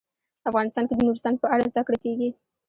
افغانستان کې د نورستان په اړه زده کړه کېږي.